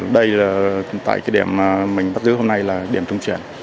đây là tại cái điểm mà mình bắt giữ hôm nay là điểm trung chuyển